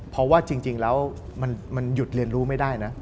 เพราะว่าจริงแล้วมันหยุดเรียนรู้ไม่ได้นะ